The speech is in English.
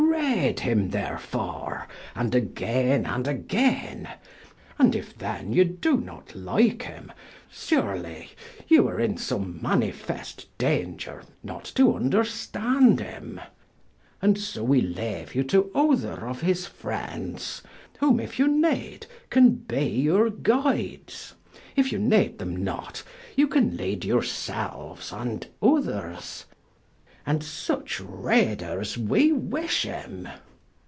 Reade him, therefore and againe and againe. And if then you doe not like him surely you are in some manifest danger, not to vnderstand him. And so we leaue you to other of his Friends, whom if you need can bee your guides: if you neede them not, you can leade your selues, and others. And such Readers we wish him.